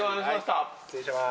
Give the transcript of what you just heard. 失礼します。